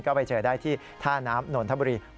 ก็ไปเจอได้ที่ท่าน้ำนนทบุรี